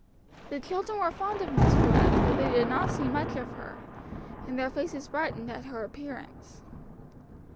The children were fond of Miss Webb, though they did not see much of her, and their faces brightened at her appearance.